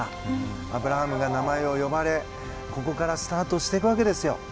アブラハムが名前を呼ばれここからスタートしていくわけです。